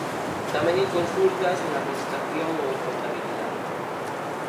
Tamén en consultas, en administración ou contabilidade.